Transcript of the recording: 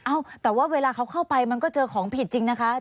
เอ้าแต่ว่าเวลาเขาเข้าไปมันก็เจอของผิดจริงนะคะ